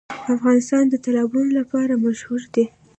افغانستان د تالابونه لپاره مشهور دی.